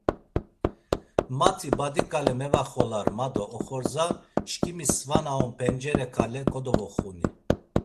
Mati badi ǩale mevaxolar; ma do oxorza, şǩimi sva na on pencere ǩale kodovoxuni.